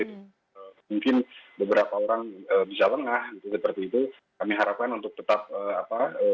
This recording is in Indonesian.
mungkin beberapa orang bisa lengah seperti itu kami harapkan untuk tetap apa